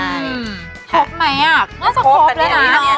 ครบไหมอ่ะว่าจะครบแล้วนะ